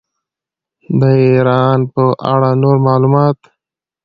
د ایران په اړه نور معلومات.